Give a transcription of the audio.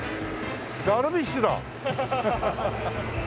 ダルビッシュだ！